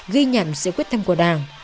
ghi nhận sự quyết tâm của đảng